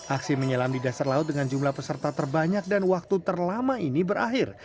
aksi menyelam di dasar laut dengan jumlah peserta terbanyak dan waktu terlama ini berakhir